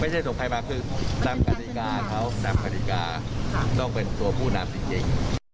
ไม่ใช่ถูกใครบ้างคือตามกรรติกาครับตามกรรติกานอกเป็นตัวผู้นำจริง